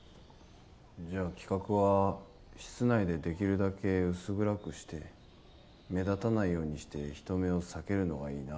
じゃあ企画は室内でできるだけ薄暗くして目立たないようにして人目を避けるのがいいな。